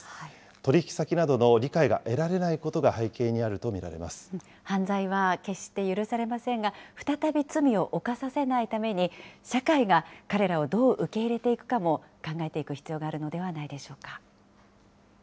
取り引き先などの理解が得られな犯罪は決して許されませんが、再び罪を犯させないために、社会が彼らをどう受け入れていくかも考えていく必要があるのではないでしょうか。